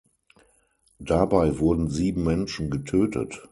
Dabei wurden sieben Menschen getötet.